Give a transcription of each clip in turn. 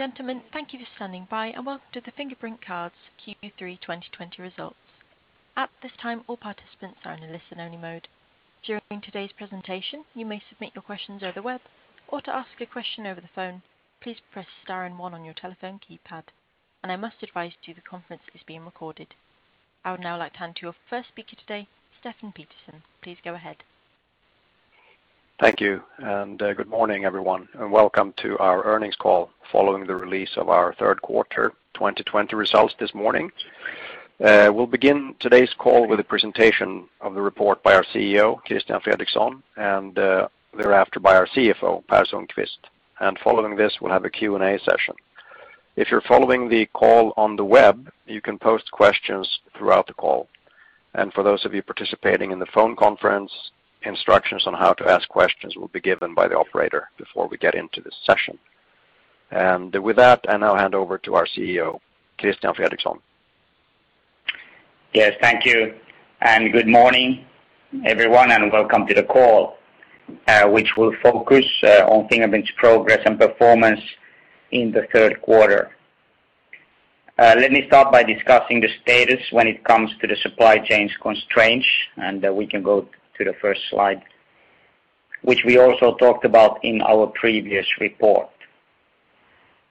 Gentlemen, thank you for standing by, and welcome to the Fingerprint Cards Q3 2020 results. At this time, all participants are in a listen-only mode. During today's presentation, you may submit your questions over the web, or to ask a question over the phone, please press star and one on your telephone keypad. I must advise you, the conference is being recorded. I would now like to hand to our first speaker today, Stefan Pettersson. Please go ahead. Thank you. Good morning, everyone, and welcome to our earnings call following the release of our third quarter 2020 results this morning. We'll begin today's call with a presentation of the report by our CEO, Christian Fredrikson, and thereafter by our CFO, Per Sundqvist. Following this, we'll have a Q&A session. If you're following the call on the web, you can post questions throughout the call. For those of you participating in the phone conference, instructions on how to ask questions will be given by the operator before we get into this session. With that, I now hand over to our CEO, Christian Fredrikson. Yes, thank you. Good morning, everyone, and welcome to the call, which will focus on Fingerprint's progress and performance in the third quarter. Let me start by discussing the status when it comes to the supply chains constraints, we can go to the first slide, which we also talked about in our previous report.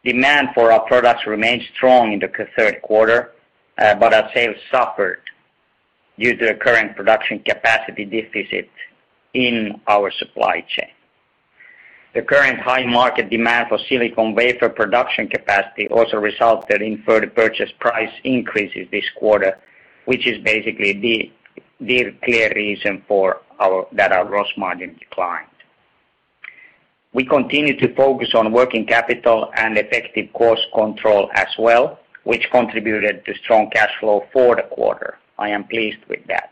Demand for our products remained strong in the third quarter, our sales suffered due to the current production capacity deficit in our supply chain. The current high market demand for silicon wafer production capacity also resulted in further purchase price increases this quarter, which is basically the clear reason that our gross margin declined. We continue to focus on working capital and effective cost control as well, which contributed to strong cash flow for the quarter. I am pleased with that.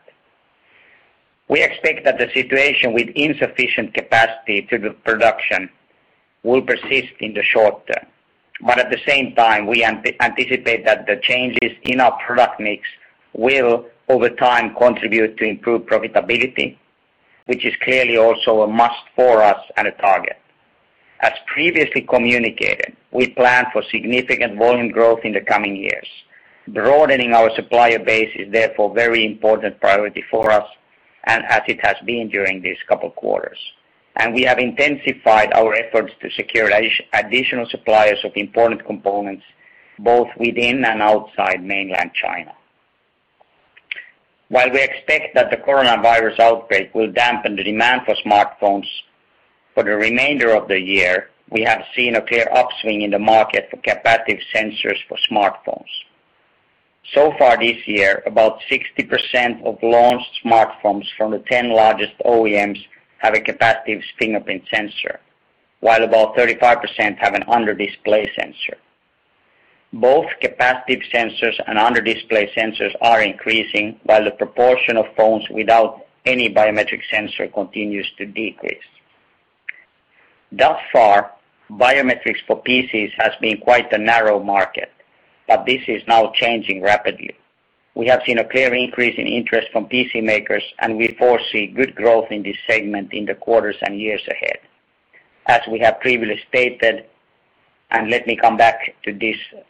We expect that the situation with insufficient capacity to the production will persist in the short term. At the same time, we anticipate that the changes in our product mix will, over time, contribute to improved profitability, which is clearly also a must for us and a target. As previously communicated, we plan for significant volume growth in the coming years. Broadening our supplier base is therefore a very important priority for us, and as it has been during these couple quarters. We have intensified our efforts to secure additional suppliers of important components, both within and outside mainland China. While we expect that the coronavirus outbreak will dampen the demand for smartphones for the remainder of the year, we have seen a clear upswing in the market for capacitive sensors for smartphones. Far this year, about 60% of launched smartphones from the 10 largest OEMs have a capacitive fingerprint sensor, while about 35% have an under-display sensor. Both capacitive sensors and under-display sensors are increasing, while the proportion of phones without any biometric sensor continues to decrease. Thus far, biometrics for PCs has been quite a narrow market, but this is now changing rapidly. We have seen a clear increase in interest from PC makers, and we foresee good growth in this segment in the quarters and years ahead. As we have previously stated, and let me come back to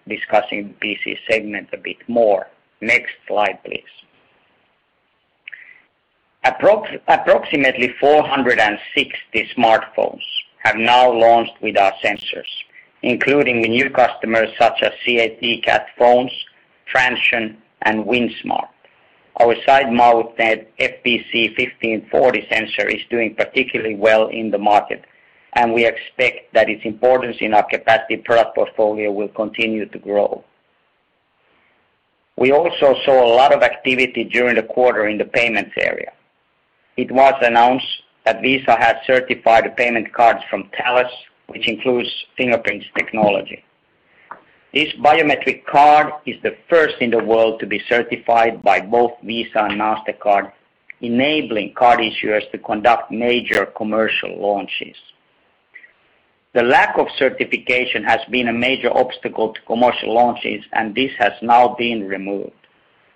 discussing PC segment a bit more. Next slide, please. Approximately 460 smartphones have now launched with our sensors, including new customers such as CAT phones, Transsion, and WindSmart. Our side-mounted FPC1540 sensor is doing particularly well in the market, and we expect that its importance in our capacity product portfolio will continue to grow. We also saw a lot of activity during the quarter in the payments area. It was announced that Visa has certified the payment cards from Thales, which includes Fingerprint's technology. This biometric card is the first in the world to be certified by both Visa and Mastercard, enabling card issuers to conduct major commercial launches. The lack of certification has been a major obstacle to commercial launches, and this has now been removed.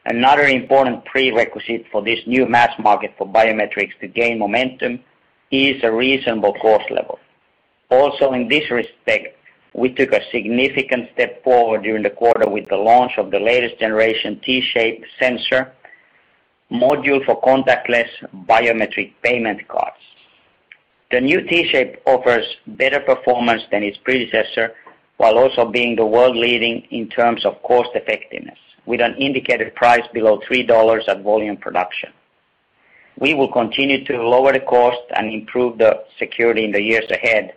Another important prerequisite for this new mass market for biometrics to gain momentum is a reasonable cost level. Also in this respect, we took a significant step forward during the quarter with the launch of the latest generation T-Shape sensor module for contactless biometric payment cards. The new T-Shape offers better performance than its predecessor, while also being the world-leading in terms of cost-effectiveness, with an indicated price below $3 at volume production. We will continue to lower the cost and improve the security in the years ahead,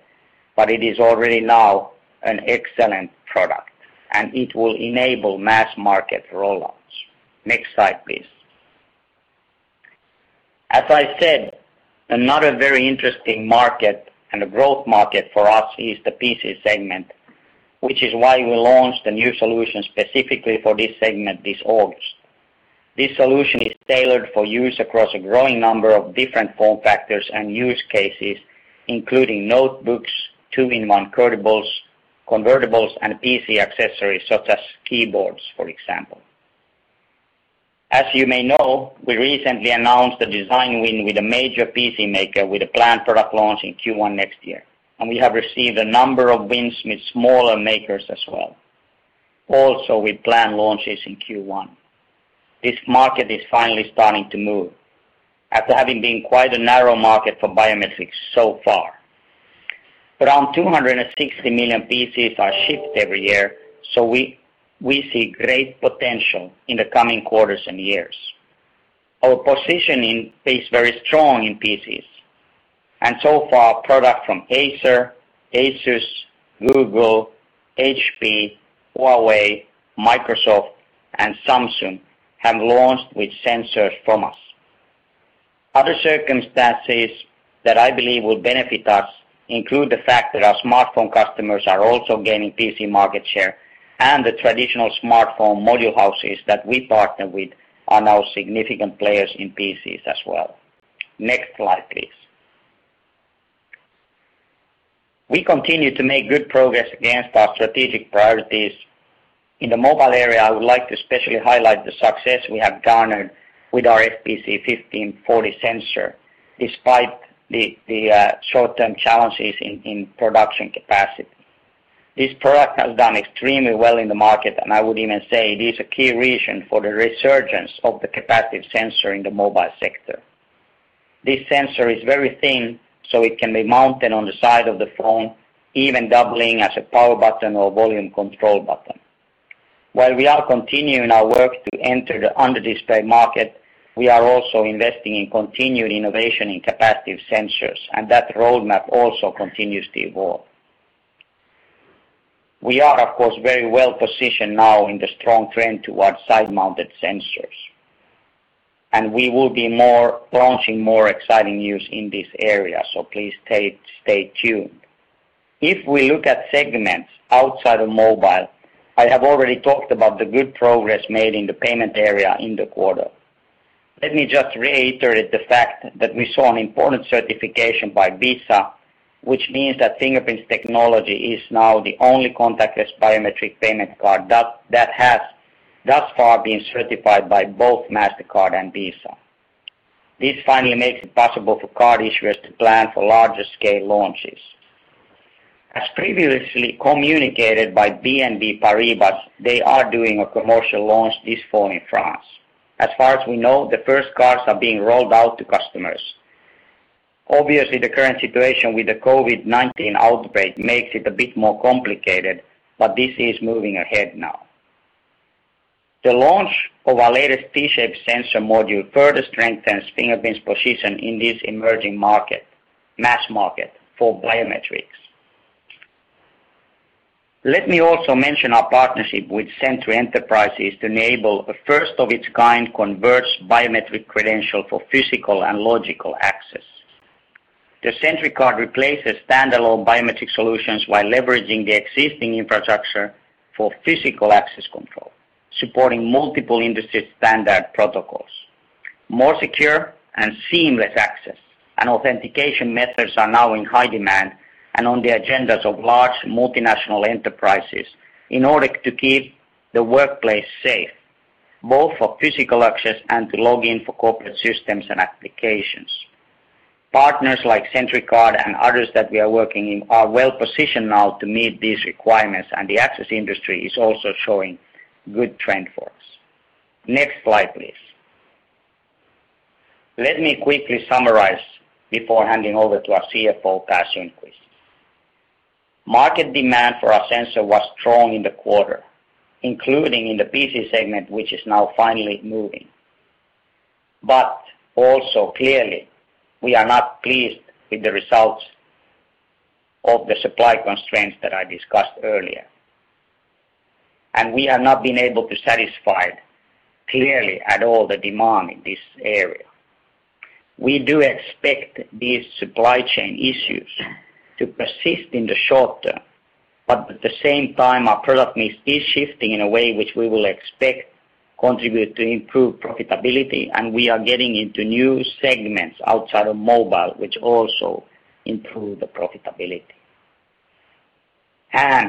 but it is already now an excellent product, and it will enable mass-market rollouts. Next slide, please. As I said, another very interesting market and a growth market for us is the PC segment, which is why we launched a new solution specifically for this segment this August. This solution is tailored for use across a growing number of different form factors and use cases, including notebooks, two-in-one convertibles, and PC accessories such as keyboards, for example. You may know, we recently announced a design win with a major PC maker with a planned product launch in Q1 next year, and we have received a number of wins with smaller makers as well, also with planned launches in Q1. This market is finally starting to move after having been quite a narrow market for biometrics so far. Around 260 million PCs are shipped every year. We see great potential in the coming quarters and years. Our positioning is very strong in PCs and so far products from Acer, ASUS, Google, HP, Huawei, Microsoft, and Samsung have launched with sensors from us. Other circumstances that I believe will benefit us include the fact that our smartphone customers are also gaining PC market share, and the traditional smartphone module houses that we partner with are now significant players in PCs as well. Next slide, please. We continue to make good progress against our strategic priorities. In the mobile area, I would like to especially highlight the success we have garnered with our FPC1540 sensor, despite the short-term challenges in production capacity. This product has done extremely well in the market, and I would even say it is a key reason for the resurgence of the capacitive sensor in the mobile sector. This sensor is very thin, so it can be mounted on the side of the phone, even doubling as a power button or volume control button. While we are continuing our work to enter the under-display market, we are also investing in continued innovation in capacitive sensors, and that roadmap also continues to evolve. We are, of course, very well-positioned now in the strong trend towards side-mounted sensors, and we will be launching more exciting news in this area, so please stay tuned. If we look at segments outside of mobile, I have already talked about the good progress made in the payment area in the quarter. Let me just reiterate the fact that we saw an important certification by Visa, which means that Fingerprint's technology is now the only contactless biometric payment card that has thus far been certified by both Mastercard and Visa. This finally makes it possible for card issuers to plan for larger scale launches. As previously communicated by BNP Paribas, they are doing a commercial launch this fall in France. As far as we know, the first cards are being rolled out to customers. Obviously, the current situation with the COVID-19 outbreak makes it a bit more complicated, but this is moving ahead now. The launch of our latest T-Shape sensor module further strengthens Fingerprint's position in this emerging mass market for biometrics. Let me also mention our partnership with Sentry Enterprises to enable a first-of-its-kind converged biometric credential for physical and logical access. The SentryCard replaces standalone biometric solutions while leveraging the existing infrastructure for physical access control, supporting multiple industry-standard protocols. More secure and seamless access and authentication methods are now in high demand and on the agendas of large multinational enterprises in order to keep the workplace safe, both for physical access and to log in for corporate systems and applications. Partners like SentryCard and others that we are working with are well-positioned now to meet these requirements, and the access industry is also showing good trend for us. Next slide, please. Let me quickly summarize before handing over to our CFO, Per Sundqvist. Market demand for our sensor was strong in the quarter, including in the PC segment, which is now finally moving. Also clearly, we are not pleased with the results of the supply constraints that I discussed earlier, and we have not been able to satisfy clearly at all the demand in this area. We do expect these supply chain issues to persist in the short term, but at the same time, our product mix is shifting in a way which we will expect contribute to improved profitability, and we are getting into new segments outside of mobile, which also improve the profitability.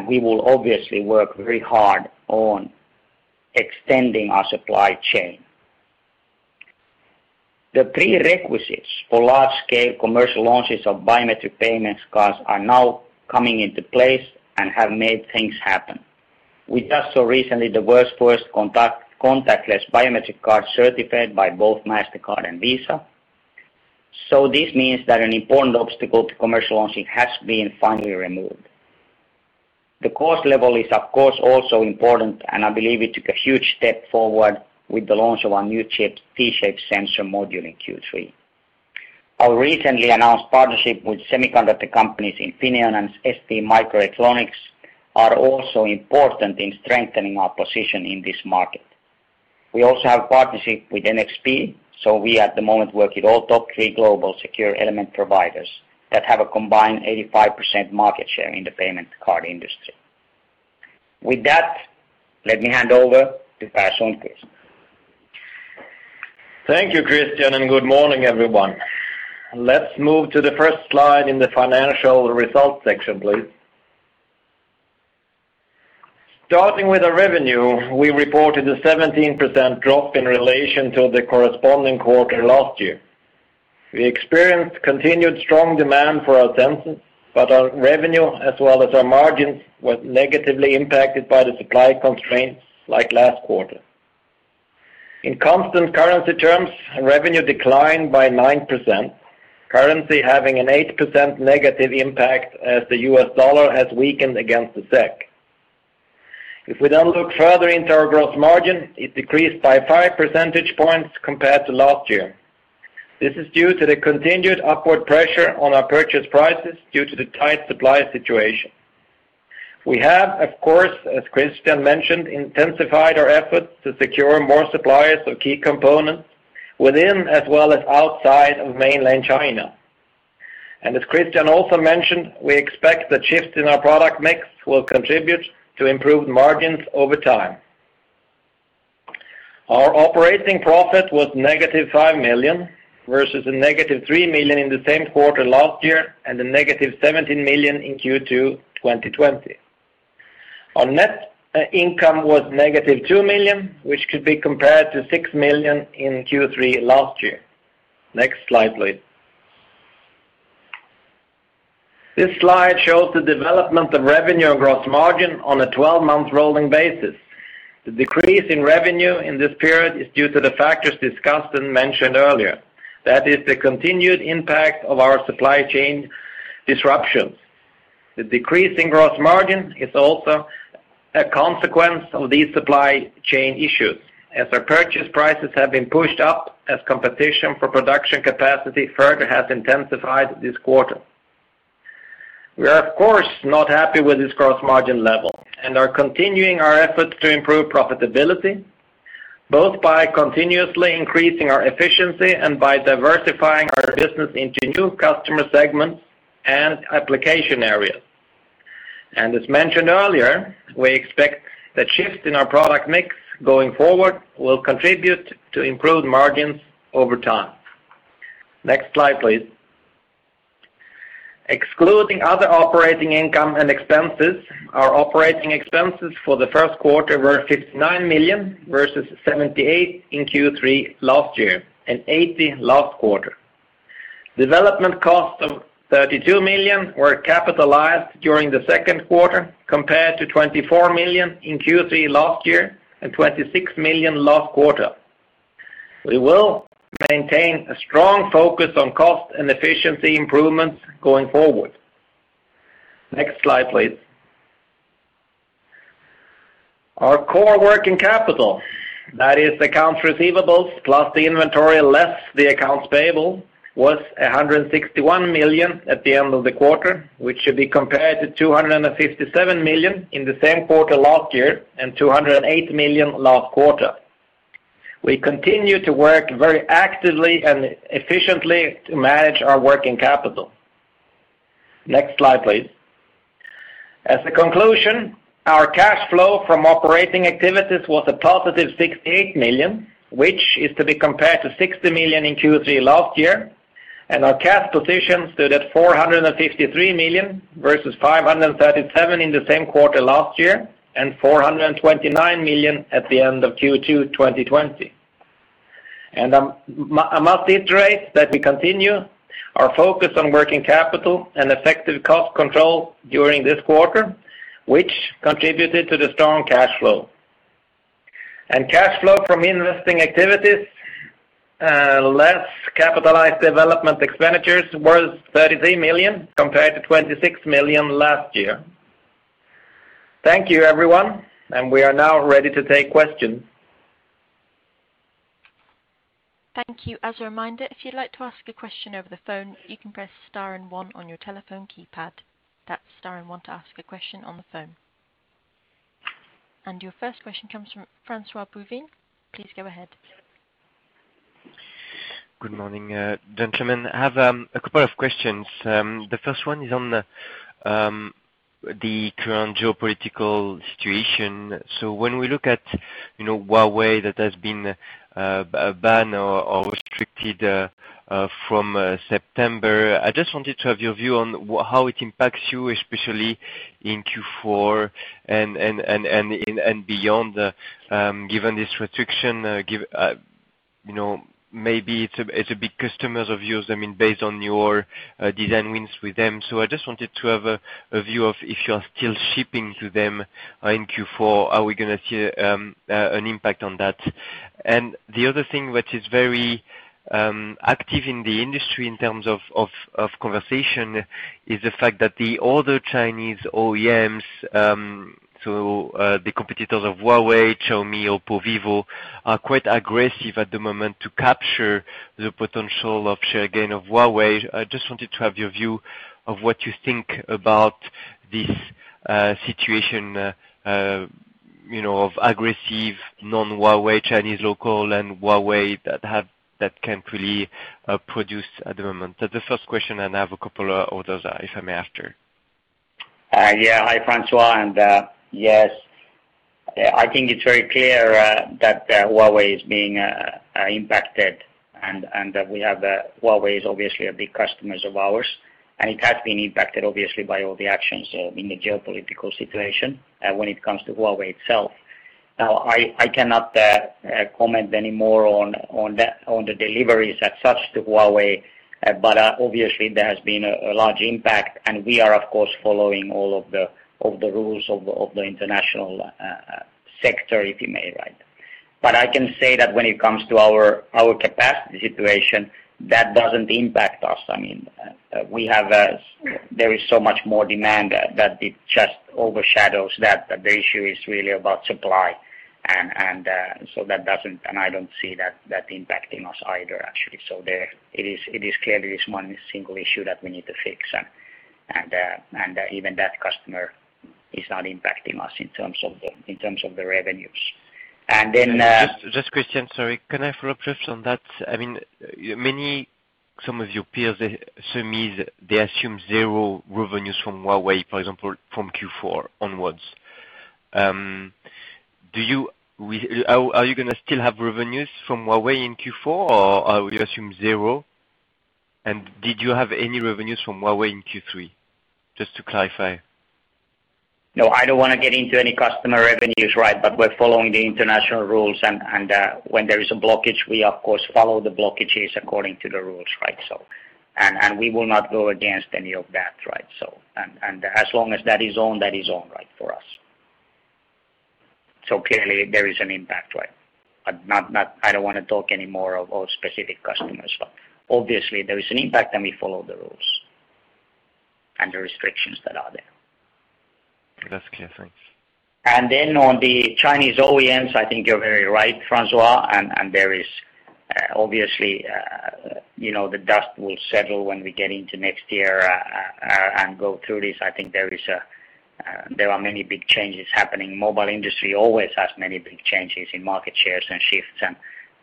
We will obviously work very hard on extending our supply chain. The prerequisites for large-scale commercial launches of biometric payments cards are now coming into place and have made things happen. We saw recently the world's first contactless biometric card certified by both Mastercard and Visa. This means that an important obstacle to commercial launching has been finally removed. The cost level is, of course, also important, and I believe we took a huge step forward with the launch of our new T-Shape sensor module in Q3. Our recently announced partnership with semiconductor companies Infineon and STMicroelectronics are also important in strengthening our position in this market. We also have partnership with NXP, so we at the moment work with all top three global secure element providers that have a combined 85% market share in the payment card industry. With that, let me hand over to Per Sundqvist. Thank you, Christian, and good morning, everyone. Let's move to the first slide in the financial results section, please. Starting with our revenue, we reported a 17% drop in relation to the corresponding quarter last year. We experienced continued strong demand for our sensors. Our revenue, as well as our margins, was negatively impacted by the supply constraints like last quarter. In constant currency terms, revenue declined by 9%, currency having an 8% negative impact as the U.S. dollar has weakened against the SEK. If we look further into our gross margin, it decreased by 5 percentage points compared to last year. This is due to the continued upward pressure on our purchase prices due to the tight supply situation. We have, of course, as Christian mentioned, intensified our efforts to secure more suppliers of key components within, as well as outside of mainland China. As Christian also mentioned, we expect the shifts in our product mix will contribute to improved margins over time. Our operating profit was negative 5 million, versus a negative 3 million in the same quarter last year, and a negative 17 million in Q2 2020. Our net income was negative 2 million, which could be compared to 6 million in Q3 last year. Next slide, please. This slide shows the development of revenue and gross margin on a 12-month rolling basis. The decrease in revenue in this period is due to the factors discussed and mentioned earlier. That is the continued impact of our supply chain disruptions. The decrease in gross margin is also a consequence of these supply chain issues, as our purchase prices have been pushed up as competition for production capacity further has intensified this quarter. We are, of course, not happy with this gross margin level and are continuing our efforts to improve profitability, both by continuously increasing our efficiency and by diversifying our business into new customer segments and application areas. As mentioned earlier, we expect that shifts in our product mix going forward will contribute to improved margins over time. Next slide, please. Excluding other operating income and expenses, our operating expenses for the first quarter were 59 million versus 78 in Q3 last year, and 80 last quarter. Development costs of 32 million were capitalized during the second quarter, compared to 24 million in Q3 last year and 26 million last quarter. We will maintain a strong focus on cost and efficiency improvements going forward. Next slide, please. Our core working capital, that is accounts receivables plus the inventory, less the accounts payable, was 161 million at the end of the quarter, which should be compared to 257 million in the same quarter last year and 208 million last quarter. We continue to work very actively and efficiently to manage our working capital. Next slide, please. As a conclusion, our cash flow from operating activities was a positive 68 million, which is to be compared to 60 million in Q3 last year, and our cash position stood at 453 million, versus 537 million in the same quarter last year, and 429 million at the end of Q2 2020. I must iterate that we continue our focus on working capital and effective cost control during this quarter, which contributed to the strong cash flow. Cash flow from investing activities, less capitalized development expenditures was 33 million compared to 26 million last year. Thank you, everyone. We are now ready to take questions. Thank you. As a reminder, if you'd like to ask a question over the phone, you can press star and one on your telephone keypad. That's star and one to ask a question on the phone. Your first question comes from François-Xavier Bouvignies. Please go ahead. Good morning, gentlemen. I have a couple of questions. The first one is on the current geopolitical situation. When we look at Huawei that has been banned or restricted from September, I just wanted to have your view on how it impacts you, especially in Q4 and beyond. Given this restriction, maybe it's a big customer of yours, based on your design wins with them. I just wanted to have a view of if you are still shipping to them in Q4. Are we going to see an impact on that? The other thing which is very active in the industry in terms of conversation is the fact that the other Chinese OEMs, so the competitors of Huawei, Xiaomi, Oppo, Vivo, are quite aggressive at the moment to capture the potential of share gain of Huawei. I just wanted to have your view of what you think about this situation of aggressive non-Huawei Chinese local and Huawei that can really produce at the moment. That's the first question, and I have a couple of others, if I may, after. Yeah. Hi, François. Yes. Yeah, I think it's very clear that Huawei is being impacted, and that Huawei is obviously a big customer of ours, and it has been impacted, obviously, by all the actions in the geopolitical situation when it comes to Huawei itself. Now, I cannot comment anymore on the deliveries as such to Huawei, but obviously there has been a large impact, and we are, of course, following all of the rules of the international sector, if you may. I can say that when it comes to our capacity situation, that doesn't impact us. There is so much more demand that it just overshadows that the issue is really about supply, and I don't see that impacting us either, actually. It is clearly one single issue that we need to fix, and even that customer is not impacting us in terms of the revenues. Christian, sorry, can I follow up just on that? Some of your peers, they assume zero revenues from Huawei, for example, from Q4 onwards. Are you going to still have revenues from Huawei in Q4, or are we assume zero? Did you have any revenues from Huawei in Q3? To clarify. No, I don't want to get into any customer revenues. We're following the international rules, and when there is a blockage, we of course, follow the blockages according to the rules. We will not go against any of that. As long as that is on, that is on for us. Clearly there is an impact. I don't want to talk anymore of specific customers, but obviously there is an impact, and we follow the rules and the restrictions that are there. That's clear. Thanks. On the Chinese OEMs, I think you're very right, François, and obviously, the dust will settle when we get into next year and go through this. I think there are many big changes happening. Mobile industry always has many big changes in market shares and shifts, and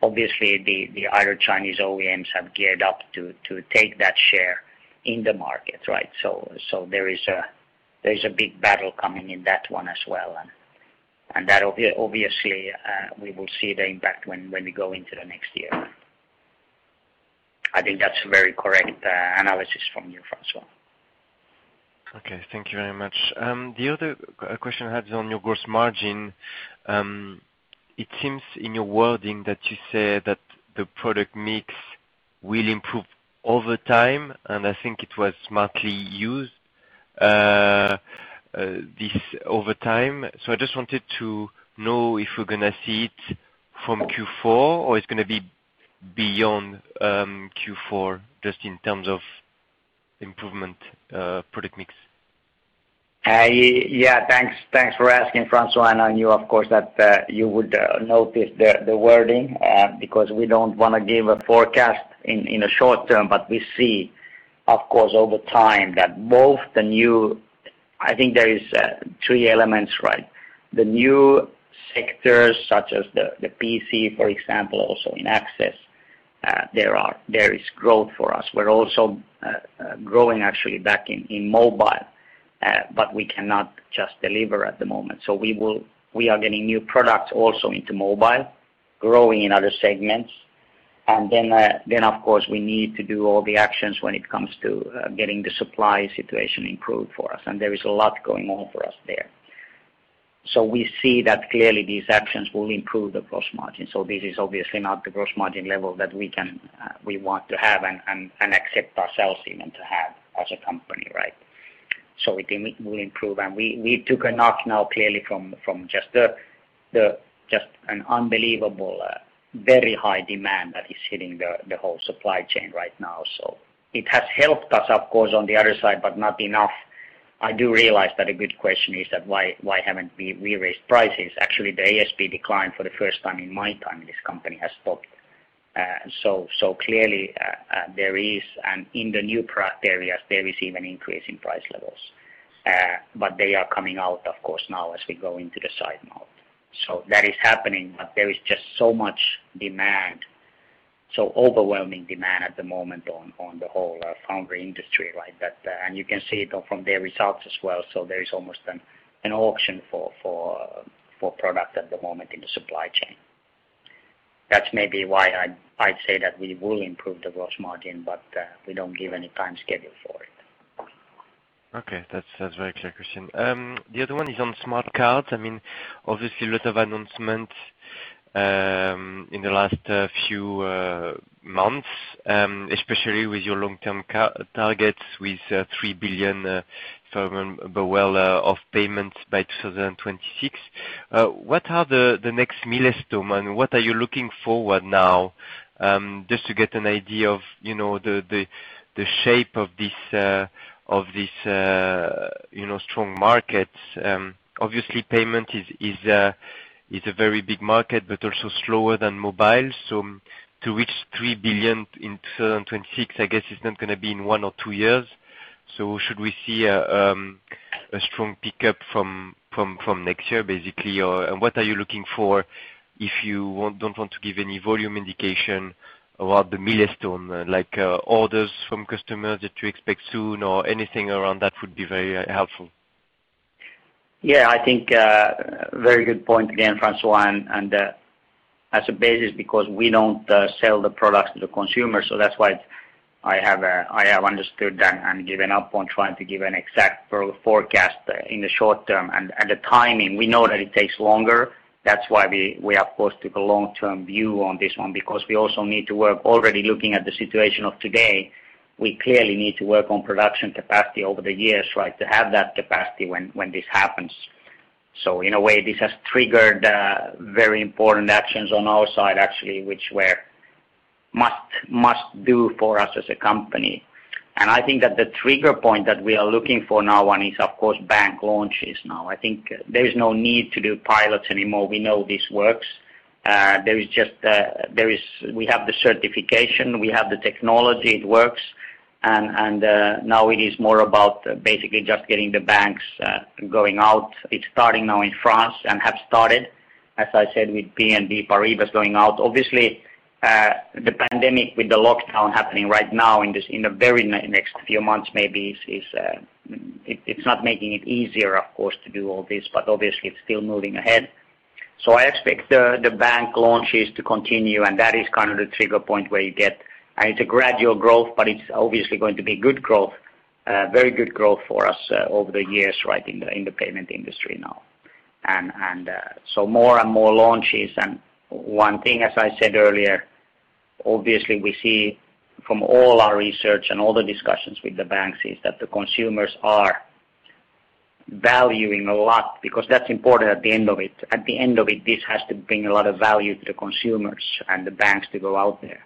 obviously, the other Chinese OEMs have geared up to take that share in the market. There is a big battle coming in that one as well, and that obviously we will see the impact when we go into the next year. I think that's a very correct analysis from you, François. Okay. Thank you very much. The other question I had is on your gross margin. It seems in your wording that you said that the product mix will improve over time, and I think it was smartly used, this over time. I just wanted to know if we're going to see it from Q4 or it's going to be beyond Q4, just in terms of improvement product mix. Thanks for asking, François. I knew, of course, that you would notice the wording, because we don't want to give a forecast in a short term, but we see, of course, over time, I think there is three elements. The new sectors such as the PC, for example, also in access, there is growth for us. We're also growing actually back in mobile, but we cannot just deliver at the moment. We are getting new products also into mobile, growing in other segments. Of course, we need to do all the actions when it comes to getting the supply situation improved for us. There is a lot going on for us there. We see that clearly these actions will improve the gross margin. This is obviously not the gross margin level that we want to have and accept ourselves even to have as a company. It will improve, and we took a knock now clearly from just an unbelievable very high demand that is hitting the whole supply chain right now. It has helped us, of course, on the other side, but not enough. I do realize that a good question is why haven't we raised prices? Actually, the ASP declined for the first time in my time in this company. Clearly, in the new product areas, there is even increase in price levels, but they are coming out, of course, now as we go into the side mount. That is happening, but there is just so much demand, so overwhelming demand at the moment on the whole foundry industry. You can see it from their results as well, so there is almost an auction for product at the moment in the supply chain. That's maybe why I say that we will improve the gross margin, but we don't give any time schedule for it. Okay. That's very clear, Christian. The other one is on smart cards. Obviously a lot of announcements in the last few months, especially with your long term targets with 3 billion of payments by 2026. What are the next milestone, and what are you looking forward now? Just to get an idea of the shape of these strong markets. Obviously payment is a very big market, also slower than mobile. To reach 3 billion in 2026, I guess it's not going to be in one or two years. Should we see a strong pickup from next year, basically, or what are you looking for if you don't want to give any volume indication about the milestone, like orders from customers that you expect soon or anything around that would be very helpful. Yeah, I think very good point again, François. As a basis because we don't sell the products to the consumer, that's why I have understood that and given up on trying to give an exact forecast in the short term and the timing. We know that it takes longer. That's why we of course took a long-term view on this one, because we also need to work already looking at the situation of today. We clearly need to work on production capacity over the years, to have that capacity when this happens. In a way, this has triggered very important actions on our side actually, which were must-do for us as a company. I think that the trigger point that we are looking for now on is of course bank launches now. I think there is no need to do pilots anymore, we know this works. We have the certification, we have the technology, it works, and now it is more about basically just getting the banks going out. It's starting now in France and have started, as I said, with BNP Paribas going out. The pandemic with the lockdown happening right now in the very next few months maybe, it's not making it easier, of course, to do all this, but obviously it's still moving ahead. I expect the bank launches to continue and that is the trigger point where you get. It's a gradual growth, but it's obviously going to be good growth, very good growth for us over the years, in the payment industry now. More and more launches. One thing, as I said earlier, obviously we see from all our research and all the discussions with the banks is that the consumers are valuing a lot because that's important at the end of it. At the end of it, this has to bring a lot of value to the consumers and the banks to go out there.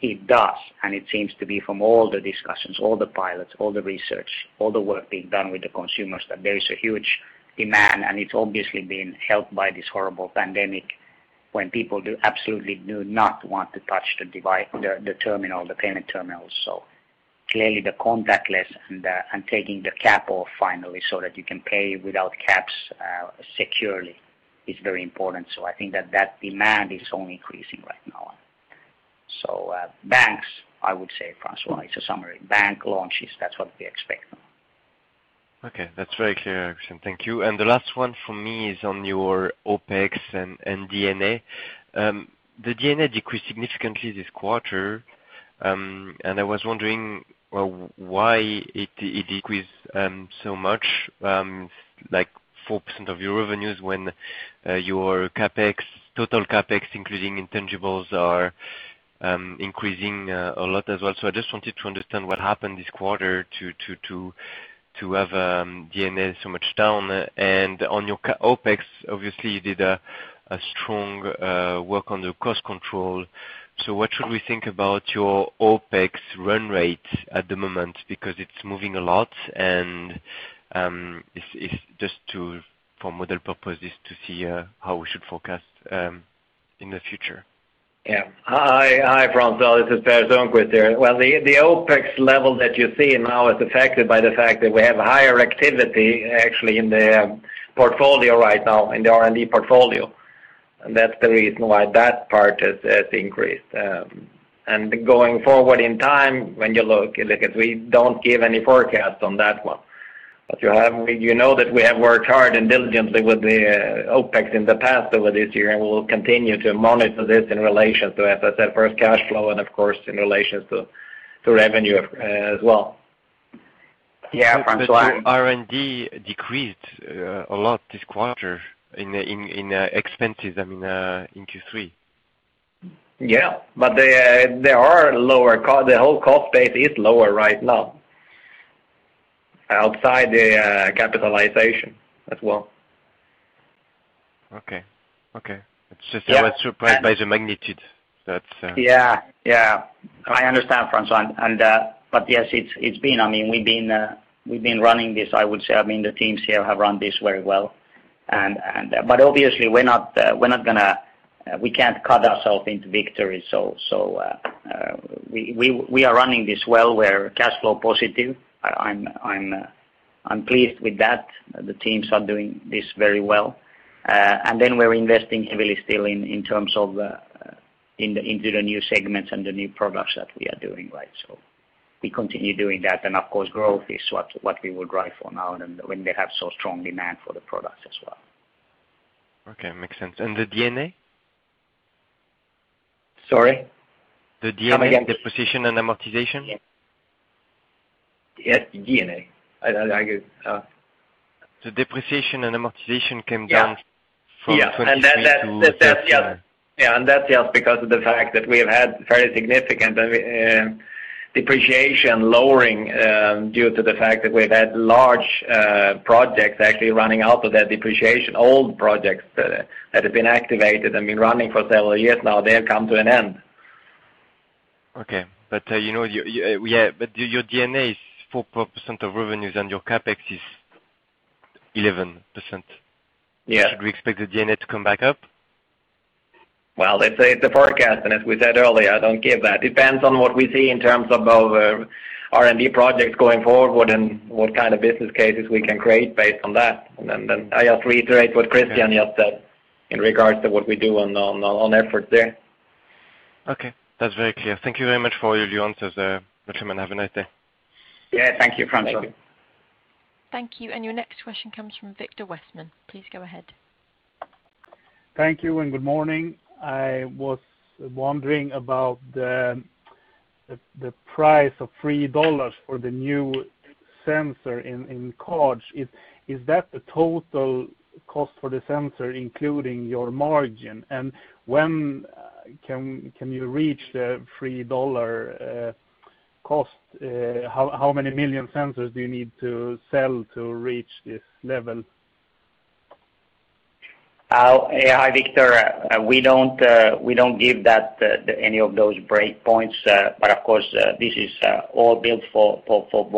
It does. It seems to be from all the discussions, all the pilots, all the research, all the work being done with the consumers, that there is a huge demand. It's obviously been helped by this horrible pandemic when people absolutely do not want to touch the payment terminal. Clearly the contactless and taking the cap off finally so that you can pay without caps securely is very important. I think that demand is only increasing right now. Banks, I would say, François, it's a summary. Bank launches, that's what we expect now. Okay, that's very clear, Christian, thank you. The last one from me is on your OpEx and D&A. The D&A decreased significantly this quarter, and I was wondering why it decreased so much, like 4% of your revenues when your total CapEx, including intangibles, are increasing a lot as well. I just wanted to understand what happened this quarter to have D&A so much down. On your OpEx, obviously you did a strong work on the cost control. What should we think about your OpEx run rate at the moment? Because it's moving a lot and just for model purposes to see how we should forecast in the future. Yeah. Hi, François. This is Per Sundqvist here. Well, the OpEx level that you see now is affected by the fact that we have higher activity actually in the R&D portfolio right now. That's the reason why that part has increased. Going forward in time, when you look, because we don't give any forecast on that one. You know that we have worked hard and diligently with the OpEx in the past over this year, and we will continue to monitor this in relation to, as I said, first cash flow and of course in relations to revenue as well. Your R&D decreased a lot this quarter in expenses, I mean, in Q3. Yeah. The whole cost base is lower right now outside the capitalization as well. Okay. It's just I was surprised by the magnitude. Yeah. I understand, François. Yes, we've been running this, I would say, the teams here have run this very well. Obviously we can't cut ourselves into victory. We are running this well, we're cash flow positive, I'm pleased with that, and the teams are doing this very well. We're investing heavily still in terms of into the new segments and the new products that we are doing. We continue doing that, of course growth is what we would drive for now when they have so strong demand for the products as well. Okay, makes sense. The D&A? Sorry? The D&A, depreciation and amortization? Yes, D&A. The depreciation and amortization came down from SEK 23. Yeah, that's just because of the fact that we have had fairly significant depreciation lowering due to the fact that we've had large projects actually running out of that depreciation. Old projects that have been activated and been running for several years now, they have come to an end. Okay. Your D&A is 4% of revenues and your CapEx is 11%. Yeah. Should we expect the D&A to come back up? Well, it's a forecast, as we said earlier, I don't give that. Depends on what we see in terms of R&D projects going forward and what kind of business cases we can create based on that. I just reiterate what Christian just said in regards to what we do on efforts there. Okay. That is very clear. Thank you very much for all your answers there, gentlemen. Have a nice day. Yeah, thank you, François. Thank you. Your next question comes from Viktor Westman. Please go ahead. Thank you, and good morning. I was wondering about the price of SEK 3 for the new sensor in cards. Is that the total cost for the sensor including your margin? When can you reach the $3 cost? How many million sensors do you need to sell to reach this level? Hi, Viktor. We don't give any of those break points, of course, this is all built for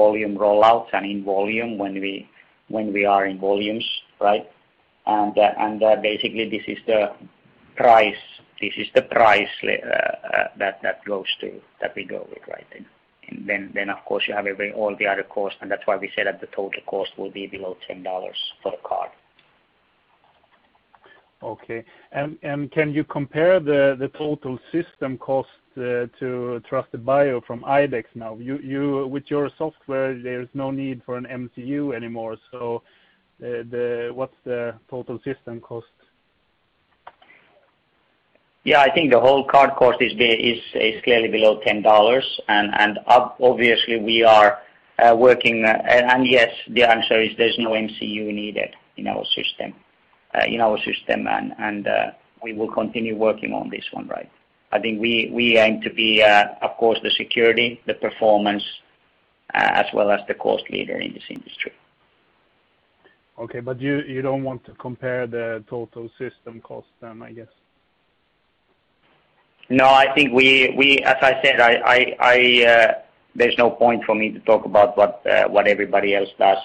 volume rollouts and in volume, when we are in volumes. Basically, this is the price that we go with. Then, of course, you have all the other costs, and that's why we said that the total cost will be below $10 for the card. Okay. Can you compare the total system cost to TrustedBio from IDEX now? With your software, there's no need for an MCU anymore, so what's the total system cost? Yeah, I think the whole card cost is clearly below $10, and yes, the answer is there's no MCU needed in our system. We will continue working on this one. I think we aim to be, of course, the security, the performance, as well as the cost leader in this industry. Okay. You don't want to compare the total system cost then, I guess? No, as I said, there's no point for me to talk about what everybody else does.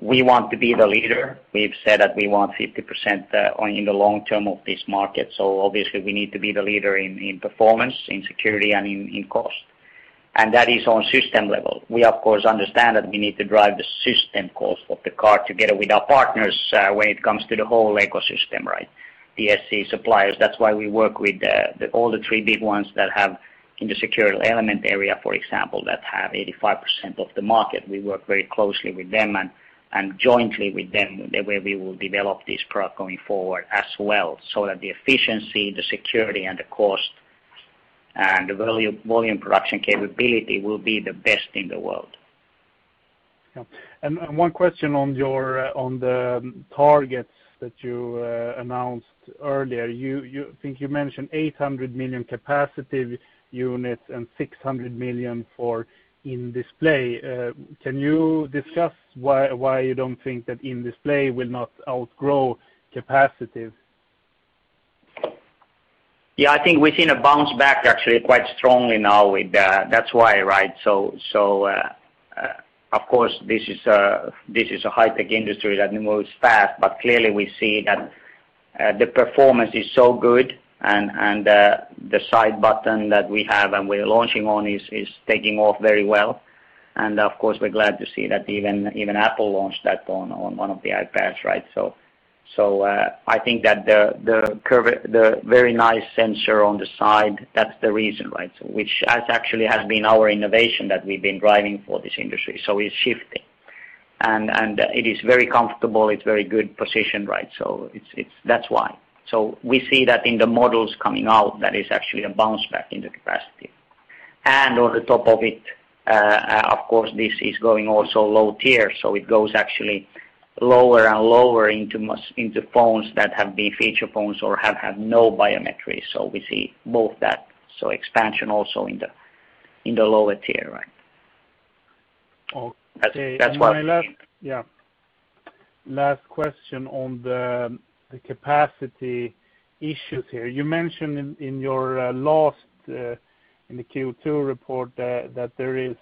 We want to be the leader. We've said that we want 50% in the long term of this market, obviously we need to be the leader in performance, in security, and in cost. That is on system level. We, of course, understand that we need to drive the system cost of the card together with our partners when it comes to the whole ecosystem. The SE suppliers, that's why we work with all the three big ones in the secure element area, for example, that have 85% of the market. We work very closely with them and jointly with them, the way we will develop this product going forward as well, that the efficiency, the security, and the cost, and the volume production capability will be the best in the world. Yeah. One question on the targets that you announced earlier. I think you mentioned 800 million capacitive units and 600 million for in-display. Can you discuss why you don't think that in-display will not outgrow capacitive? Yeah, I think we've seen a bounce back actually quite strongly now with that. That's why. Of course, this is a high-tech industry that moves fast, but clearly we see that the performance is so good, and the side button that we have and we're launching on is taking off very well. Of course, we're glad to see that even Apple launched that on one of the iPads. I think that the very nice sensor on the side, that's the reason, which has actually has been our innovation that we've been driving for this industry. It's shifting. It is very comfortable, it's very good position. That's why. We see that in the models coming out, that is actually a bounce back in the capacity. On the top of it, of course, this is going also low tier, so it goes actually lower and lower into phones that have been feature phones or have had no biometrics. We see both that, so expansion also in the lower tier. My last question on the capacity issues here. You mentioned in the Q2 report, that there is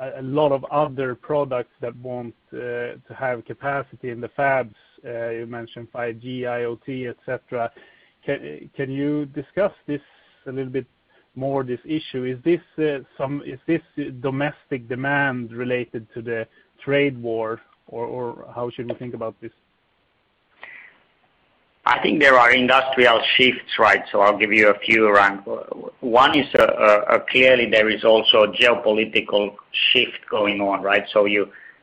a lot of other products that want to have capacity in the fabs. You mentioned 5G, IoT, etc. Can you discuss this a little bit more, this issue? Is this domestic demand related to the trade war, or how should we think about this? I think there are industrial shifts. I'll give you a few around. One is, clearly there is also a geopolitical shift going on.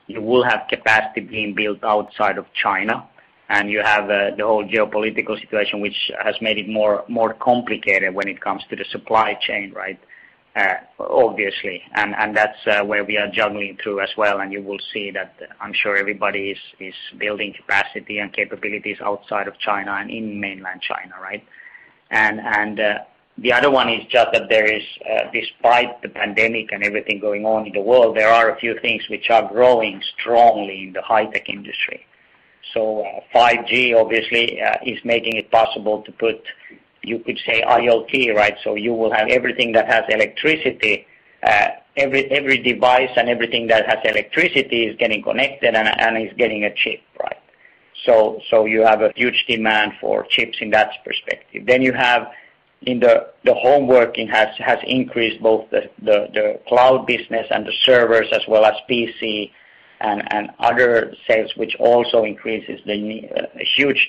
You will have capacity being built outside of China, and you have the whole geopolitical situation, which has made it more complicated when it comes to the supply chain, obviously. That's where we are juggling through as well, and you will see that I'm sure everybody is building capacity and capabilities outside of China and in mainland China. The other one is just that there is, despite the pandemic and everything going on in the world, there are a few things which are growing strongly in the high-tech industry. 5G, obviously, is making it possible to put, you could say IoT. You will have everything that has electricity, every device and everything that has electricity is getting connected and is getting a chip. You have a huge demand for chips in that perspective. You have the home working has increased both the cloud business and the servers, as well as PC and other sales, which also increases the need.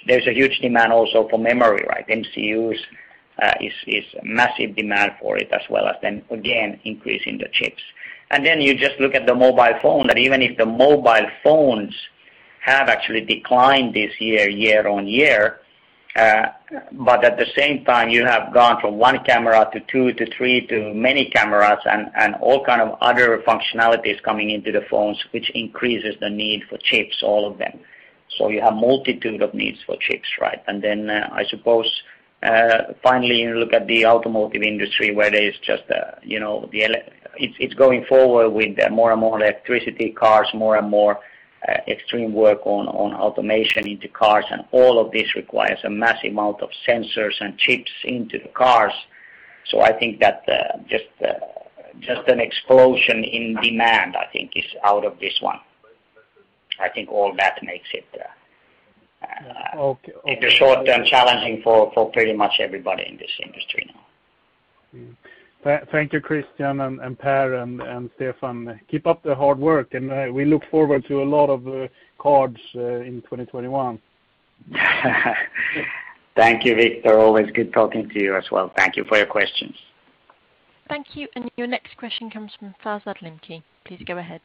There's a huge demand also for memory. MCUs, is massive demand for it, as well as then again, increasing the chips. You just look at the mobile phone, that even if the mobile phones have actually declined this year-on-year, but at the same time, you have gone from one camera to two to three to many cameras and all kind of other functionalities coming into the phones, which increases the need for chips, all of them. You have multitude of needs for chips. Then, I suppose, finally, you look at the automotive industry where it's going forward with more and more electricity cars, more and more extreme work on automation into cars, and all of this requires a massive amount of sensors and chips into the cars. I think that just an explosion in demand, I think is out of this one. In the short term, challenging for pretty much everybody in this industry now. Thank you, Christian and Per and Stefan. Keep up the hard work and we look forward to a lot of cards in 2021. Thank you, Viktor. Always good talking to you as well. Thank you for your questions. Thank you. Your next question comes from Farzad Limki. Please go ahead.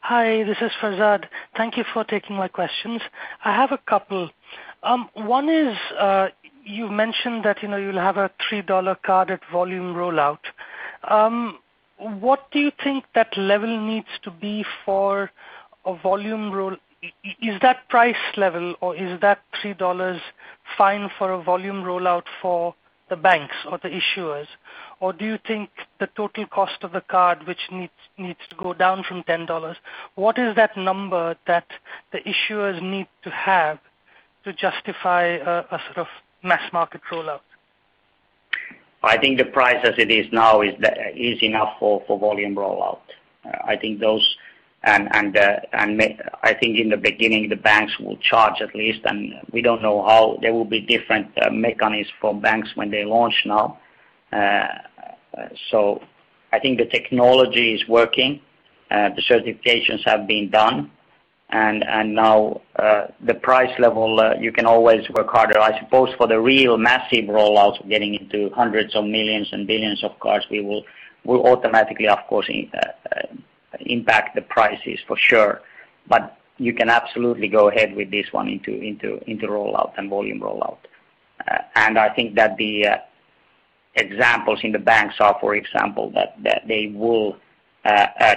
Hi, this is Farzad. Thank you for taking my questions. I have a couple. One is, you mentioned that you'll have a $3 card at volume rollout. What do you think that level needs to be for a volume roll? Is that price level or is that $3 fine for a volume rollout for the banks or the issuers? Do you think the total cost of the card, which needs to go down from $10, what is that number that the issuers need to have to justify a sort of mass market rollout? I think the price as it is now is enough for volume rollout. I think in the beginning, the banks will charge at least, and we don't know how there will be different mechanisms for banks when they launch now. I think the technology is working. The certifications have been done, and now the price level, you can always work harder. I suppose, for the real massive rollouts, getting into hundreds of millions and billions of cards, we will automatically, of course, impact the prices for sure. You can absolutely go ahead with this one into rollout and volume rollout. I think that the examples in the banks are, for example, that they will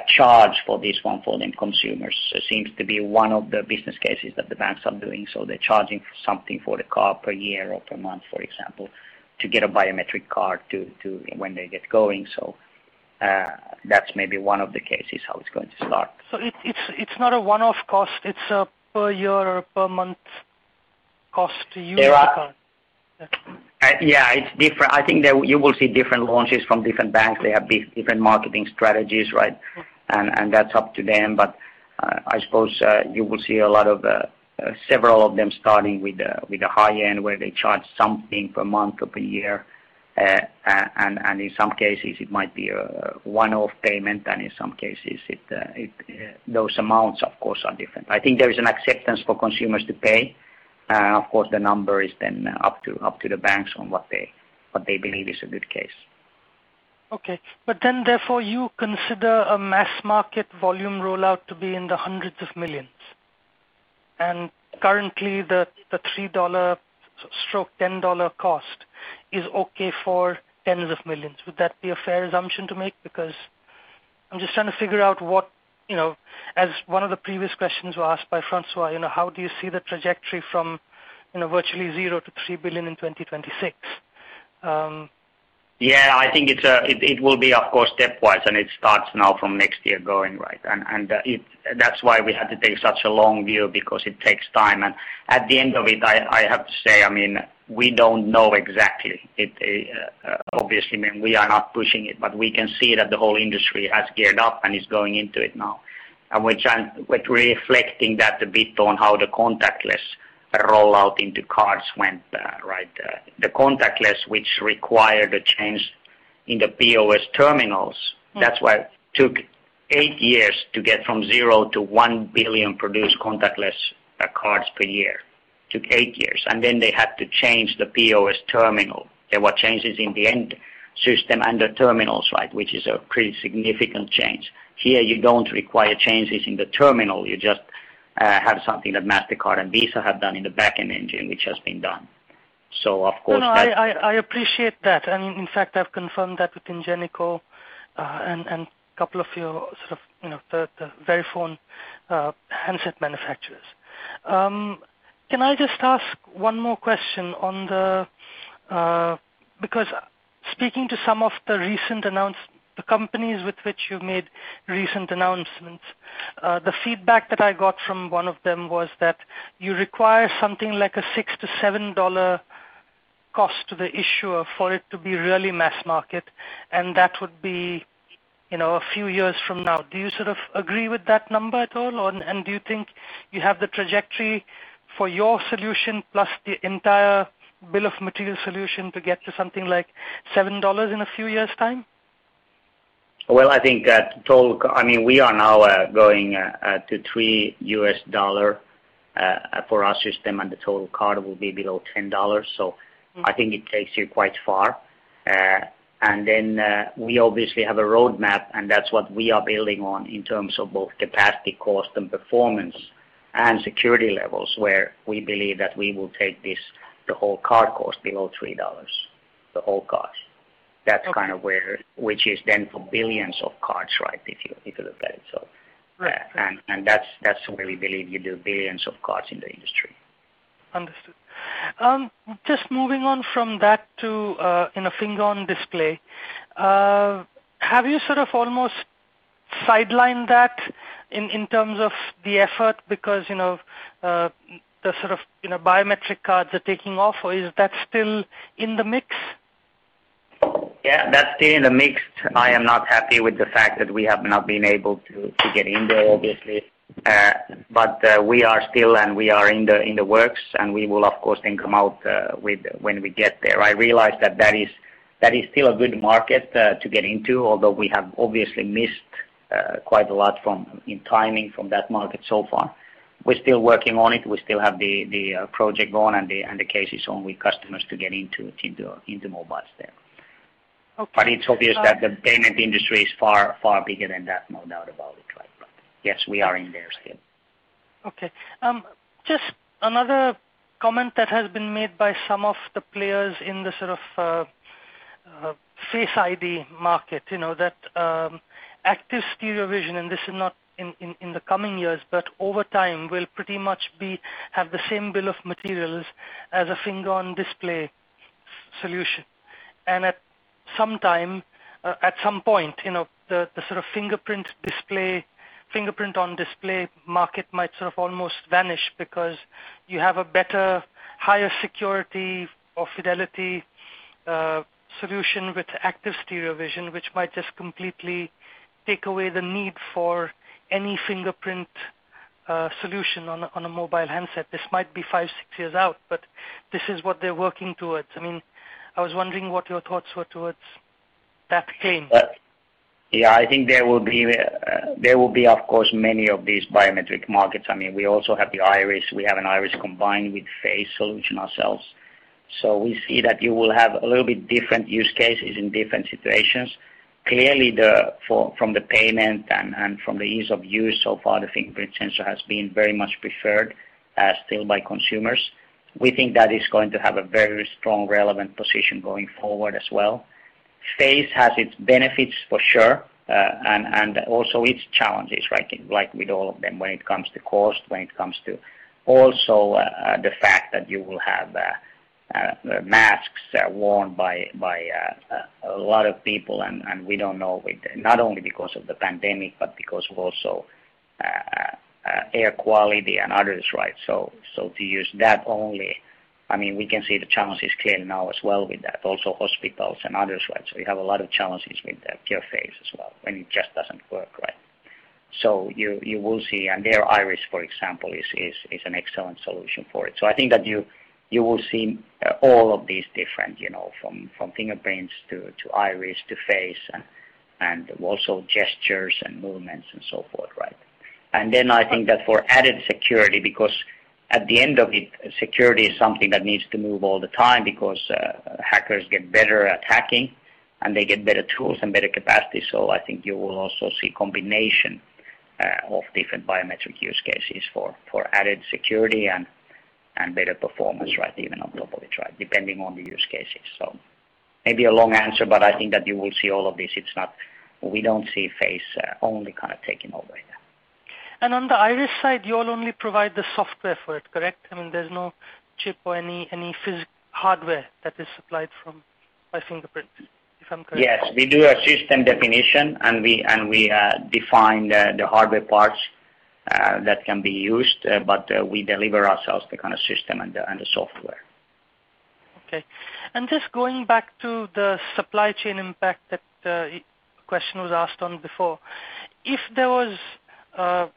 charge for this one for the consumers. It seems to be one of the business cases that the banks are doing. They're charging something for the card per year or per month, for example, to get a biometric card when they get going. That's maybe one of the cases how it's going to start. It's not a one-off cost. It's a per year or per month cost to use the card. Yeah, it's different. I think that you will see different launches from different banks. They have different marketing strategies, that's up to them. I suppose, you will see several of them starting with a high-end, where they charge something per month or per year, and in some cases, it might be a one-off payment, and in some cases, those amounts, of course, are different. I think there is an acceptance for consumers to pay. Of course, the number is then up to the banks on what they believe is a good case. You consider a mass market volume rollout to be in the hundreds of millions. Currently, the $3/$10 cost is okay for tens of millions. Would that be a fair assumption to make? I'm just trying to figure out what, as one of the previous questions were asked by François, how do you see the trajectory from virtually zero to $3 billion in 2026? Yeah, I think it will be, of course, stepwise. It starts now from next year going. That's why we had to take such a long view, because it takes time. At the end of it, I have to say, we don't know exactly. Obviously, we are not pushing it, but we can see that the whole industry has geared up and is going into it now. Reflecting that a bit on how the contactless rollout into cards went. The contactless, which required a change in the POS terminals. That's why it took eight years to get from zero to 1 billion produced contactless cards per year. It took eight years. They had to change the POS terminal. There were changes in the end system and the terminals, which is a pretty significant change. Here, you don't require changes in the terminal. You just have something that Mastercard and Visa have done in the back end engine, which has been done. No, I appreciate that. In fact, I've confirmed that within Gemalto, and couple of your sort of Verifone handset manufacturers. Can I just ask one more question because speaking to some of the companies with which you've made recent announcements, the feedback that I got from one of them was that you require something like a $6-$7 cost to the issuer for it to be really mass market, and that would be a few years from now. Do you sort of agree with that number at all? Do you think you have the trajectory for your solution, plus the entire bill of material solution to get to something like $7 in a few years' time? I think that total, we are now going to $3 for our system, and the total card will be below $10. I think it takes you quite far. We obviously have a road map, and that's what we are building on in terms of both capacity, cost, and performance, and security levels, where we believe that we will take the whole card cost below $3, the whole cost. That's kind of where, which is then for billions of cards, if you look at it. That's where we believe you do billions of cards in the industry. Understood. Just moving on from that to Fingerprint on Display. Have you sort of almost sidelined that in terms of the effort because, the sort of biometric cards are taking off, or is that still in the mix? Yeah, that's still in the mix. I am not happy with the fact that we have not been able to get in there, obviously. We are still, and we are in the works, and we will, of course, then come out when we get there. I realize that is still a good market to get into, although we have obviously missed quite a lot in timing from that market so far. We're still working on it. We still have the project going and the cases with customers to get into mobile there. It's obvious that the payment industry is far, far bigger than that, no doubt about it. Yes, we are in there still. Okay. Just another comment that has been made by some of the players in the sort of Face ID market, that active stereo vision, and this is not in the coming years, but over time will pretty much have the same bill of materials as a Fingerprint on Display solution. At some point, the sort of Fingerprint on Display market might sort of almost vanish because you have a better, higher security or fidelity solution with active stereo vision, which might just completely take away the need for any fingerprint solution on a mobile handset. This might be five, six years out, but this is what they're working towards. I was wondering what your thoughts were towards that claim. Yeah, I think there will be, of course, many of these biometric markets. We also have the iris. We have an iris combined with face solution ourselves. We see that you will have a little bit different use cases in different situations. Clearly, from the payment and from the ease of use so far, the fingerprint sensor has been very much preferred still by consumers. We think that is going to have a very strong, relevant position going forward as well. Face has its benefits for sure, and also its challenges, like with all of them, when it comes to cost, when it comes to also the fact that you will have masks worn by a lot of people, and we don't know, not only because of the pandemic, but because of also air quality and others. To use that only, we can see the challenges clearly now as well with that. Hospitals and others, we have a lot of challenges with your face as well, when it just doesn't work. You will see, and their iris, for example, is an excellent solution for it. I think that you will see all of these different, from fingerprints to iris to face and also gestures and movements and so forth. Then I think that for added security, because at the end of it, security is something that needs to move all the time because hackers get better at hacking, and they get better tools and better capacity. I think you will also see combination of different biometric use cases for added security and better performance even on top of it, depending on the use cases. Maybe a long answer, but I think that you will see all of these. We don't see face only kind of taking over there. On the iris side, you'll only provide the software for it, correct? There's no chip or any hardware that is supplied by Fingerprint, if I'm correct. Yes. We do a system definition, and we define the hardware parts that can be used, but we deliver ourselves the kind of system and the software. Okay. Just going back to the supply chain impact that the question was asked on before. If there was a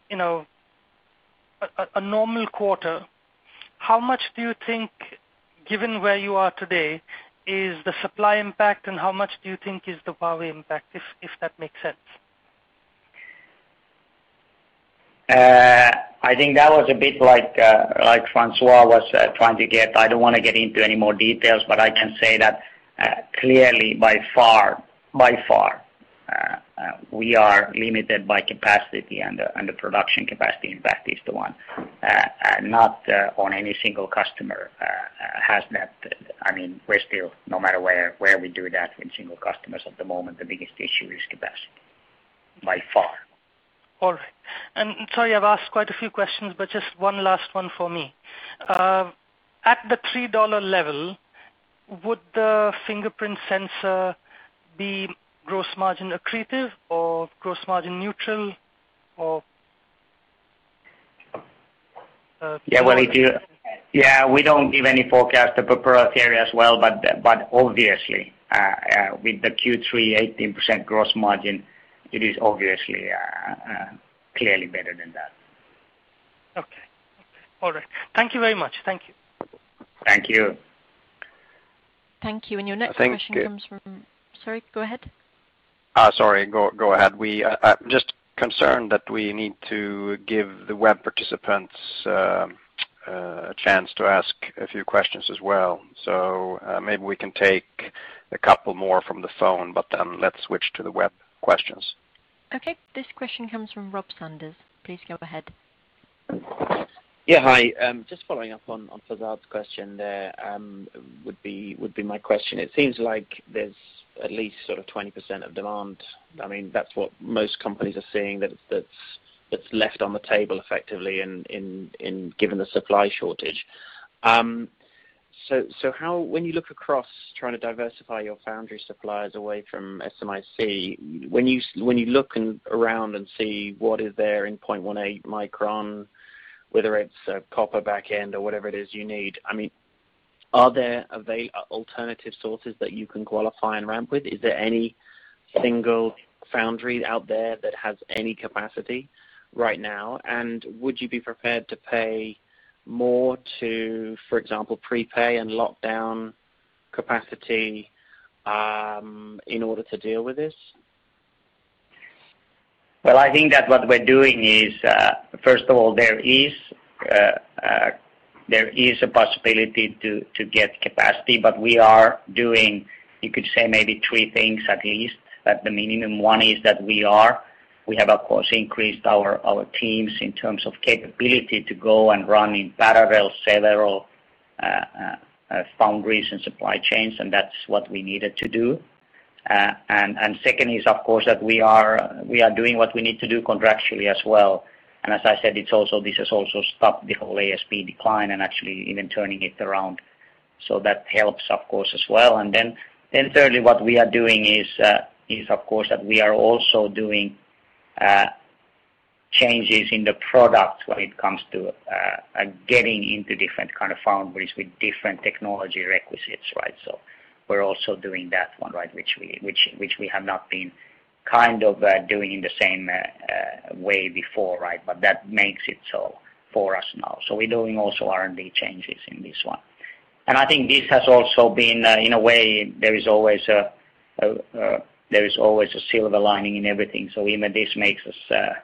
normal quarter, how much do you think, given where you are today, is the supply impact, and how much do you think is the power impact, if that makes sense? I think that was a bit like François was trying to get. I don't want to get into any more details, but I can say that clearly, by far we are limited by capacity, and the production capacity impact is the one. Not on any single customer has met. We're still, no matter where we do that with single customers at the moment, the biggest issue is capacity. By far. All right. Sorry, I've asked quite a few questions, but just one last one for me. At the $3 level, would the fingerprint sensor be gross margin accretive or gross margin neutral? Yeah. We don't give any forecast for growth area as well, but obviously, with the Q3 18% gross margin, it is obviously clearly better than that. Okay. All right. Thank you very much. Thank you. Thank you. Thank you. Sorry, go ahead. Sorry, go ahead. I'm just concerned that we need to give the web participants a chance to ask a few questions as well. Maybe we can take a couple more from the phone, but then let's switch to the web questions. Okay. This question comes from Robert Sanders. Please go ahead. Yeah. Hi. Just following up on François's question there would be my question. It seems like there's at least sort of 20% of demand. That's what most companies are seeing that's left on the table effectively and given the supply shortage. When you look across trying to diversify your foundry suppliers away from SMIC, when you look around and see what is there in 0.18-micron, whether it's a copper back end or whatever it is you need, are there alternative sources that you can qualify and ramp with? Is there any single foundry out there that has any capacity right now? Would you be prepared to pay more to, for example, prepay and lock down capacity in order to deal with this? Well, I think that what we're doing is, first of all, there is a possibility to get capacity, but we are doing, you could say maybe three things, at least, at the minimum. One is that we have, of course, increased our teams in terms of capability to go and run in parallel several foundries and supply chains, and that's what we needed to do. Second is, of course, that we are doing what we need to do contractually as well. As I said, this has also stopped the whole ASP decline and actually even turning it around. That helps, of course, as well. Thirdly, what we are doing is, of course, that we are also doing changes in the product when it comes to getting into different kind of foundries with different technology requisites. We're also doing that one, which we have not been kind of doing in the same way before. That makes it so for us now. We're doing also R&D changes in this one. I think this has also been, in a way, there is always a silver lining in everything. Even this makes us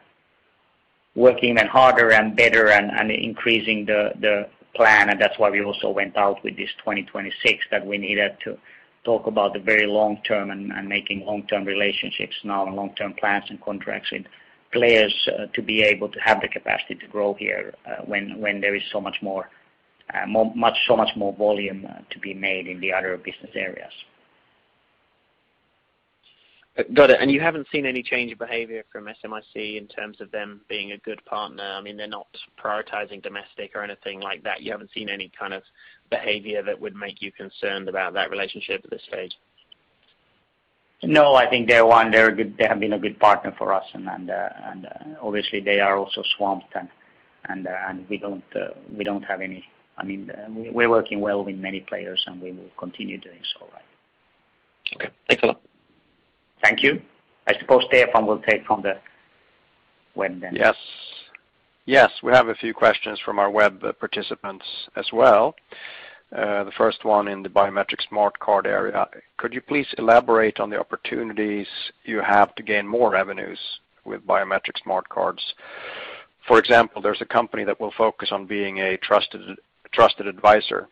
working even harder and better and increasing the plan, and that's why we also went out with this 2026, that we needed to talk about the very long term and making long-term relationships now and long-term plans and contracts with players to be able to have the capacity to grow here when there is so much more volume to be made in the other business areas. Got it. You haven't seen any change of behavior from SMIC in terms of them being a good partner? They're not prioritizing domestic or anything like that. You haven't seen any kind of behavior that would make you concerned about that relationship at this stage? No, I think they have been a good partner for us, and obviously, they are also swamped, and we're working well with many players, and we will continue doing so. Okay. Thanks a lot. Thank you. I suppose Stefan will take from the web then. Yes. We have a few questions from our web participants as well. The first one in the biometric smart card area. Could you please elaborate on the opportunities you have to gain more revenues with biometric smart cards? For example, there's a company that will focus on being a trusted advisor.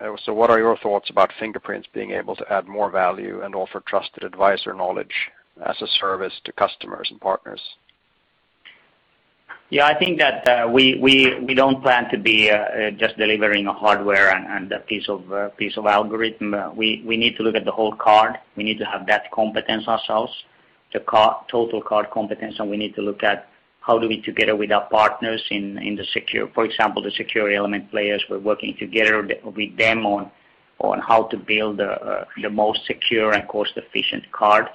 What are your thoughts about Fingerprint's being able to add more value and offer trusted advisor knowledge as a service to customers and partners? Yeah, I think that we don't plan to be just delivering a hardware and a piece of algorithm. We need to look at the whole card. We need to have that competence ourselves, the total card competence, and we need to look at how do we together with our partners, for example, the secure element players, we're working together with them on how to build the most secure and cost-efficient card.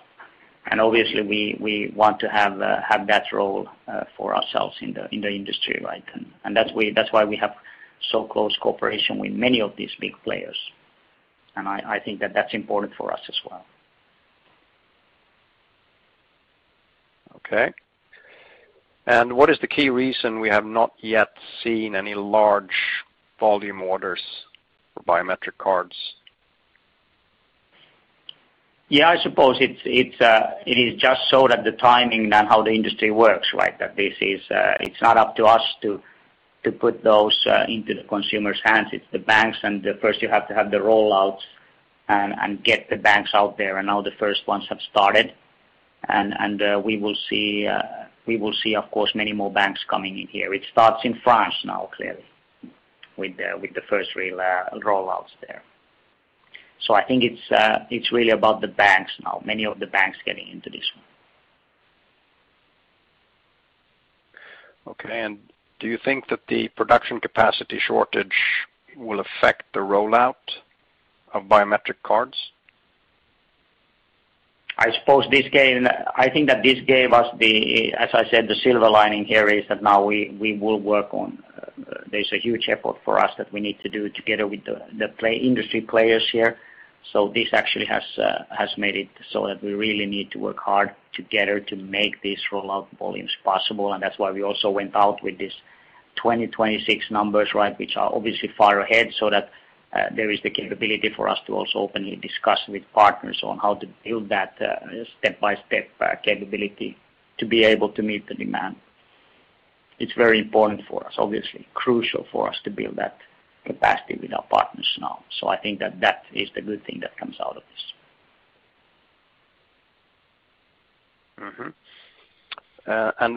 Obviously, we want to have that role for ourselves in the industry. I think that that's important for us as well. Okay. What is the key reason we have not yet seen any large volume orders for biometric cards? Yeah, I suppose it is just so that the timing and how the industry works. That it's not up to us to put those into the consumer's hands. It's the banks, and first you have to have the rollouts and get the banks out there, and now the first ones have started, and we will see, of course, many more banks coming in here. It starts in France now, clearly, with the first real rollouts there. I think it's really about the banks now, many of the banks getting into this one. Okay. Do you think that the production capacity shortage will affect the rollout of biometric cards? I think that this gave us the, as I said, the silver lining here is that now there's a huge effort for us that we need to do together with the industry players here. This actually has made it so that we really need to work hard together to make these rollout volumes possible, and that's why we also went out with these 2026 numbers, which are obviously far ahead, so that there is the capability for us to also openly discuss with partners on how to build that step-by-step capability to be able to meet the demand. It's very important for us, obviously, crucial for us to build that capacity with our partners now. I think that that is the good thing that comes out of this.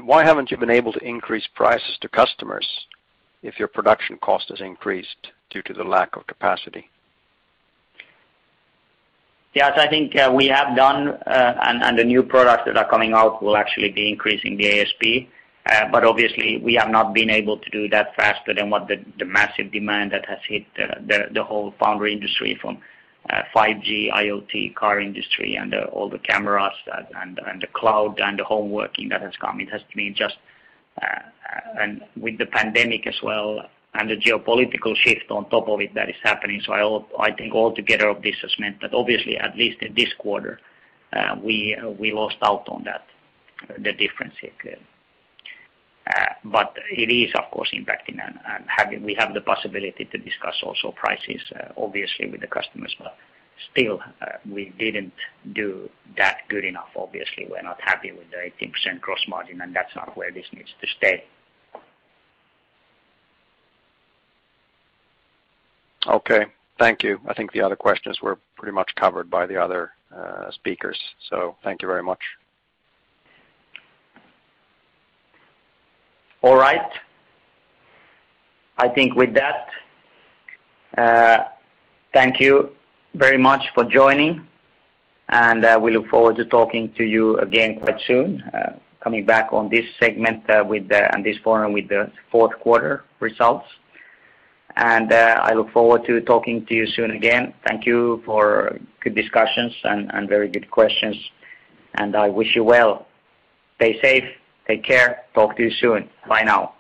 Why haven't you been able to increase prices to customers if your production cost has increased due to the lack of capacity? Yes, I think we have done. The new products that are coming out will actually be increasing the ASP. Obviously, we have not been able to do that faster than what the massive demand that has hit the whole foundry industry from 5G, IoT, car industry, and all the cameras, and the cloud and the home working that has come. With the pandemic as well, and the geopolitical shift on top of it that is happening. I think all together, this has meant that obviously, at least in this quarter, we lost out on that, the difference. It is, of course, impacting and we have the possibility to discuss also prices, obviously, with the customers, but still, we didn't do that good enough. Obviously, we're not happy with the 18% gross margin. That's not where this needs to stay. Okay. Thank you. I think the other questions were pretty much covered by the other speakers. Thank you very much. All right. I think with that, thank you very much for joining, and we look forward to talking to you again quite soon, coming back on this segment and this forum with the fourth quarter results. I look forward to talking to you soon again. Thank you for good discussions and very good questions, and I wish you well. Stay safe, take care. Talk to you soon. Bye now.